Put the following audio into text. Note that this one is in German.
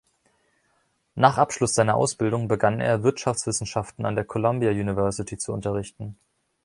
Nach Abschluss seiner Ausbildung begann er, Wirtschaftswissenschaften an der Columbia University zu unterrichten.